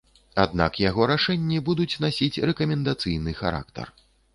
Аднак яго рашэнні будуць насіць рэкамендацыйны характар.